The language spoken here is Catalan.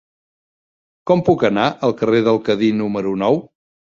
Com puc anar al carrer del Cadí número nou?